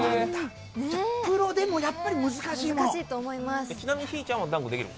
プロでもやっぱり難しいもの？